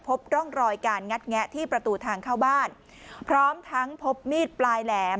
พบร่องรอยการงัดแงะที่ประตูทางเข้าบ้านพร้อมทั้งพบมีดปลายแหลม